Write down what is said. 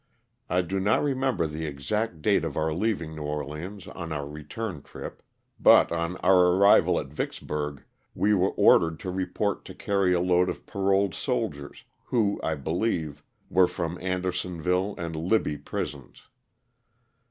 I do not remember the exact date of our leaving New Orleans on our return trip. But on our arrival at Vicksburg, we were ordered to report to carry a load of paroled soldiers, who, I believe, were from Andersonville and Libby prisons.